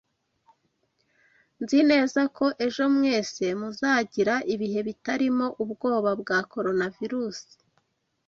Nzi neza ko ejo mwese muzagira ibihe bitarimo ubwoba bwa Coronavirusi.